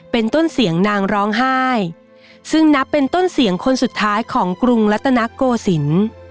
เป็นต้นเสียงนางร้องไห้ซึ่งนับเป็นต้นเสียงคนสุดท้ายของกรุงรัตนโกศิลป์